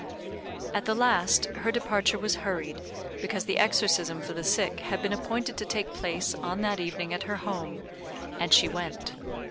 At the last, her departure was hurried, because the exorcism for the sick had been appointed to take place on that evening at her home, and she went.